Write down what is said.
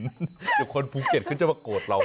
เดี๋ยวคนภูเก็ตเขาจะมาโกรธเรา